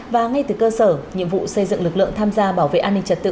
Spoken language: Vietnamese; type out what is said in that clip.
và ngay từ cơ sở nhiệm vụ xây dựng lực lượng tham gia bảo vệ an ninh trật tự